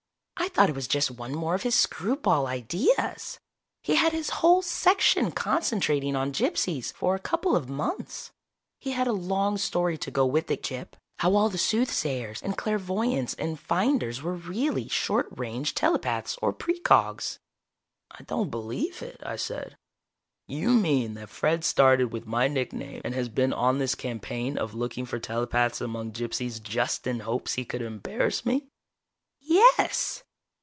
"I thought it was just one more of his screwball ideas! He had his whole Section concentrating on gypsies, for a couple of months. He had a long story to go with it, Gyp! How all the soothsayers and clairvoyants and finders were really short range telepaths or pre cogs." "I don't believe it," I said. "You mean that Fred started with my nickname, and has been on this campaign of looking for telepaths among gypsies just in hopes he could embarrass me?" "Yes!"